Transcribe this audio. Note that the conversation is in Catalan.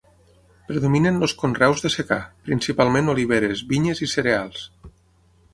Predominen els conreus de secà, principalment oliveres, vinyes i cereals.